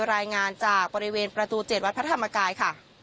รายงานจากบริเวณประตู๗วัดพระธรรมกายค่ะ